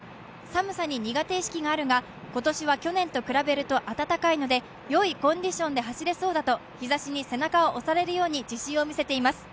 黒崎播磨・細谷恭平選手、寒さに苦手意識はあるが今年は去年と比べると暖かいのでよいコンディションで走れそうだと日ざしに背中を押されるように自信を見せています。